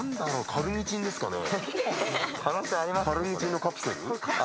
カルニチンのカプセル？